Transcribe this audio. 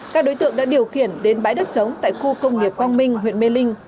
các đối tượng đã điều khiển đến bãi đất trống tại khu công nghiệp quang minh huyện mê linh